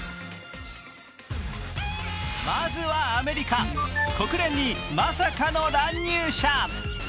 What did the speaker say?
まずはアメリカ、国連にまさかの乱入者。